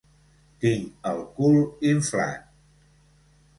Tinc el cul inflat.